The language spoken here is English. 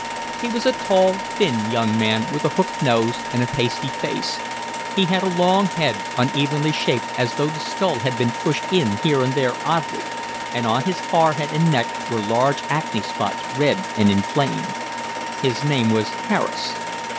He was a tall thin young man, with a hooked nose and a pasty face; he had a long head, unevenly shaped as though the skull had been pushed in here and there oddly, and on his forehead and neck were large acne spots red and inflamed. His name was Harris.